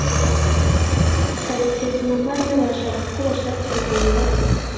karekezi na mariya barashaka ko ubashakira umuntu ubarera